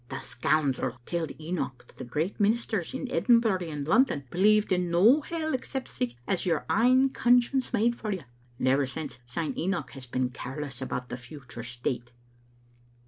The scoundrel telled Enoch that the great ministers in Edinbury and London believed in no hell except sic as your ain conscience made for you, and ever since syne Enoch has been careless about the future state.